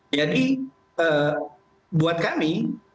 jadi buat kami